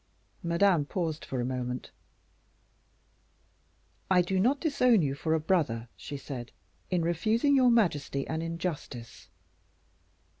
Madame paused for a moment. "I do not disown you for a brother," she said, "in refusing your majesty an injustice."